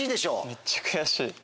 めっちゃ悔しい。